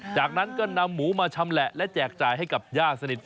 จากนั้นก็นำหมูมาชำแหละและแจกจ่ายให้กับย่าสนิท